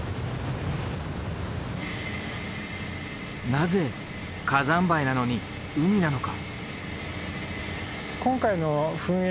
なぜ火山灰なのに海なのか？